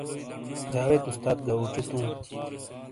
جاوید استاد گہ اوچیتوں۔